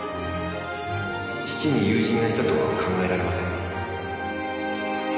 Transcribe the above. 父に友人がいたとは考えられません。